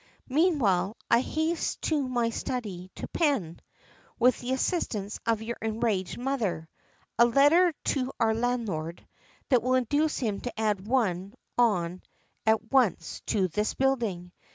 Meanwhile I haste to my study to pen, with the assistance of your enraged mother, a letter to our landlord that will induce him to add one on at once to this building.